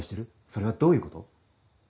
それはどういうこと？